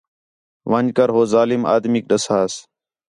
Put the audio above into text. وِن٘ڄ کر ہو ظالم آدمیک ݙساس